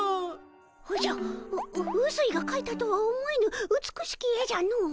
おじゃううすいがかいたとは思えぬ美しき絵じゃのう。